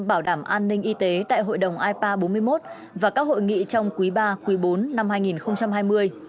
bảo đảm an ninh y tế tại hội đồng ipa bốn mươi một và các hội nghị trong quý ba quý bốn năm hai nghìn hai mươi